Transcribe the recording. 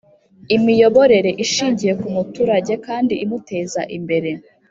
imiyoborere ishingiye ku muturage kandi imuteza imbere